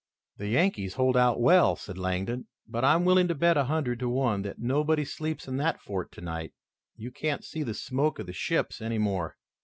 "The Yankees hold out well," said Langdon, "but I'm willing to bet a hundred to one that nobody sleeps in that fort tonight. You can't see the smoke of the ships any more.